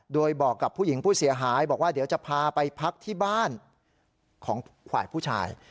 โดยบอกกับผู้หญิงผู้เสียหายบอกว่าเดี๋ยวจะพาไปพักที่บ้านของฝ่ายผู้ชาย